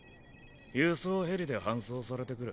輸送ヘリで搬送されてくる。